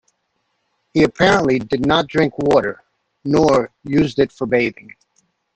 He apparently did not drink water, nor use it for bathing.